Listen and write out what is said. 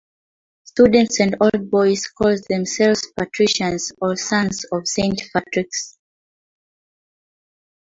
Students and old boys call themselves "Patricians" or "Sons of Saint Patrick's".